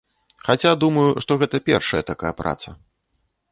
Хаця, думаю, што гэта першая такая праца.